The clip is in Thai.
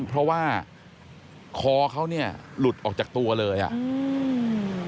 เพราะว่าคอเขาเนี่ยหลุดออกจากตัวเลยอ่ะอืม